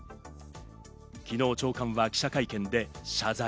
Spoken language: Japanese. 昨日、長官は記者会見で謝罪。